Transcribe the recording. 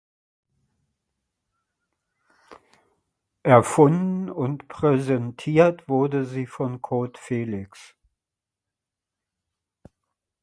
Erfunden und präsentiert wurde sie von Kurt Felix.